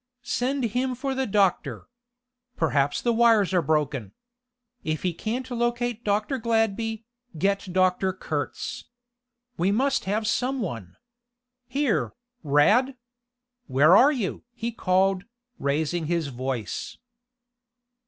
Send him for the doctor. Perhaps the wires are broken. If he can't locate Dr. Gladby, get Dr. Kurtz. We must have some one. Here, Rad! Where are you?" he called, raising his voice.